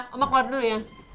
sama koak dulu ya